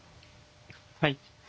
はい。